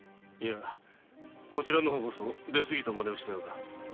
こちらの方こそ出すぎたマネをしたようだ。